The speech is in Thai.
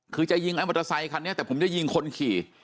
คือจะยิงไอ้มอเตอร์ไซคันนี้แต่ผมจะยิงคนขี่